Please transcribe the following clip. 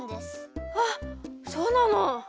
あっそうなの？